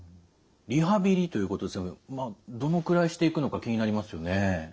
リハビリということでしたけどどのくらいしていくのか気になりますよね。